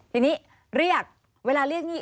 ทีนี้เรียกเวลาเรียกรถอะไรคะ